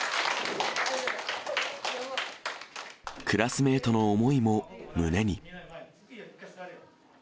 クラスメートの思いも胸に。